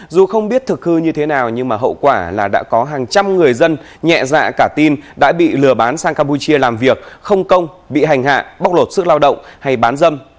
dù không biết thực hư như thế nào nhưng mà hậu quả là đã có hàng trăm người dân nhẹ dạ cả tin đã bị lừa bán sang campuchia làm việc không công bị hành hạ bóc lột sức lao động hay bán dâm